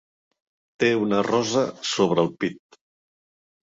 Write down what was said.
Té una rosa sobre el pit.